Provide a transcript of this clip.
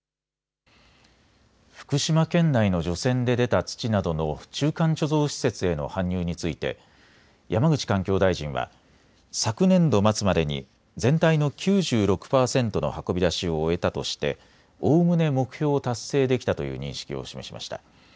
福島県内の除染で出た土などの中間貯蔵施設への搬入について山口環境大臣は昨年度末までに全体の９６％の運び出しを終えたとしておおむね目標を達成できたという認識を示しました。